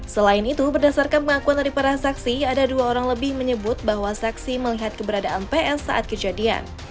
selain itu berdasarkan pengakuan dari para saksi ada dua orang lebih menyebut bahwa saksi melihat keberadaan ps saat kejadian